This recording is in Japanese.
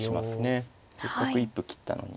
せっかく一歩切ったのに。